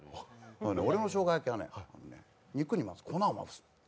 俺のしょうが焼きはね、肉にまず粉をまぶす。